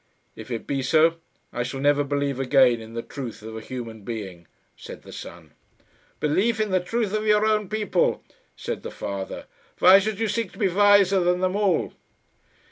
"If it be so, I shall never believe again in the truth of a human being," said the son. "Believe in the truth of your own people," said the father. "Why should you seek to be wiser than them all?"